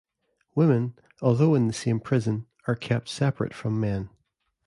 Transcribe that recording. Women, although in the same prison, are kept separate from men.